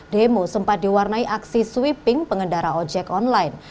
demo sempat diwarnai aksi sweeping pengendara ojek online